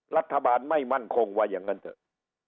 รัฐบาลไม่มั่นคงว่าอย่างนั้นเถอะ